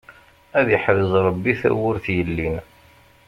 Ad iḥrez Rebbi tawwurt yellin.